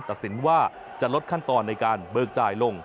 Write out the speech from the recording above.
ตัดสินว่าจะลดขั้นตอนในการเบิกจ่ายลง